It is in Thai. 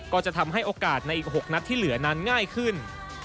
ก็จะทำให้โอกาสในอีก๖นัดที่เหลือนั้นง่ายขึ้น